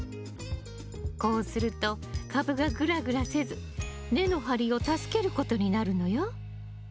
こうすると株がぐらぐらせず根の張りを助けることになるのよ。